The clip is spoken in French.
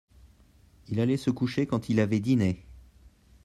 il allait se coucher quand il avait diné.